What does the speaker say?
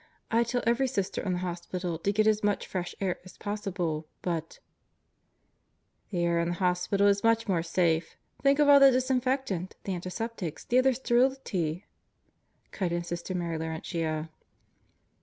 "I tell every Sister in the hospital to get as much fresh air as possible, but " "The air in the hospital is much more safe. Think of all the disinfectant, the antiseptics, the utter sterility," cut in Sister Mary Laurentia.